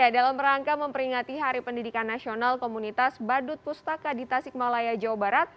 dalam rangka memperingati hari pendidikan nasional komunitas badut pustaka di tasikmalaya jawa barat